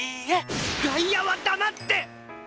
外野は黙って！